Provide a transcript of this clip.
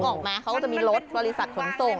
ออกไหมเขาก็จะมีรถบริษัทขนส่ง